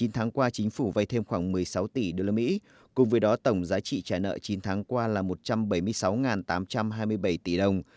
chín tháng qua chính phủ vay thêm khoảng một mươi sáu tỷ usd cùng với đó tổng giá trị trả nợ chín tháng qua là một trăm bảy mươi sáu tám trăm hai mươi bảy tỷ đồng